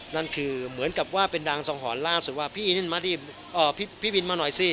นั่นคือเหมือนกับว่าเป็นดังส่องหอนล่าสุดว่าพี่อินมาดีอ่อพี่พี่วินมาหน่อยสิ